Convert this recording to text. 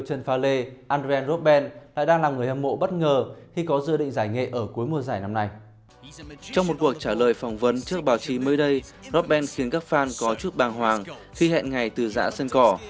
trong một cuộc trả lời phỏng vấn trước báo chí mới đây robben khiến các fan có chút bàng hoàng khi hẹn ngày từ dã sân cỏ